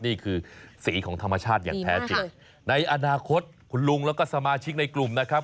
นี่คือสีของธรรมชาติอย่างแท้จริงในอนาคตคุณลุงแล้วก็สมาชิกในกลุ่มนะครับ